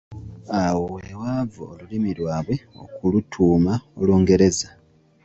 Awo we waava olulimi lwabwe okulutuuma Olungereza.